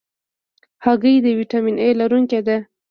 هګۍ د ویټامین A لرونکې ده.